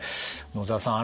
野澤さん